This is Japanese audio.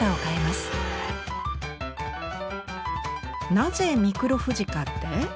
なぜ「ミクロ富士」かって？